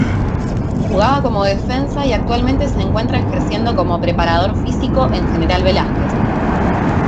Jugaba como defensa y actualmente se encuentra ejerciendo como preparador físico en General Velásquez.